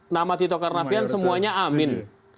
nama tito karnavian semuanya amin